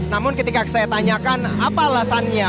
namun ketika saya tanyakan apa alasannya